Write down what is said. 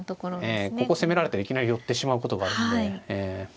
ええここ攻められたらいきなり寄ってしまうことがあるんで。